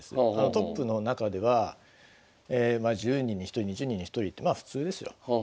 トップの中では１０人に１人２０人に１人ってまあ普通ですよ。